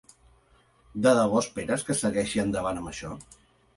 De debò esperes que segueixi endavant amb això?